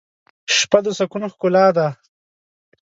شپه د سکون ښکلا ده.